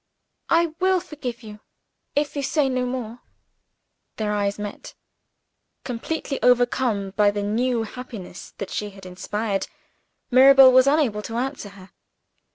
"I will forgive you if you say no more." Their eyes met. Completely overcome by the new hope that she had inspired, Mirabel was unable to answer her.